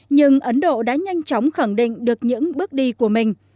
nhưng ấn độ đã nhanh chóng khẳng định được những bước đi của mình